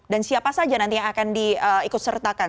dan siapa saja nanti yang akan diikutsertakan